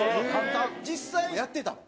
実際やってたの？